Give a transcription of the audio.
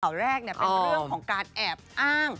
ข่าวแรกนี่เป็นเรื่องของการแอบอ้าง